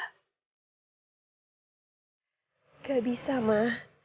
tidak bisa ma